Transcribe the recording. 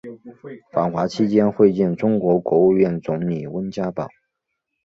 访华期间会见中国国务院总理温家宝。